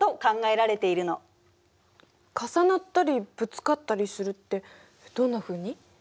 重なったりぶつかったりするってどんなふうに？